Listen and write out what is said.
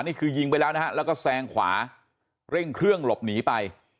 นี่คือยิงไปแล้วนะฮะแล้วก็แซงขวาเร่งเครื่องหลบหนีไป